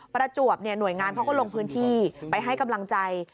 ประจวบหน่วยงานเขาก็ลงพื้นที่ไปให้กำลังใจ